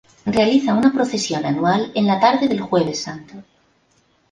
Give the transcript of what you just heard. Realiza una procesión anual en la tarde del Jueves Santo.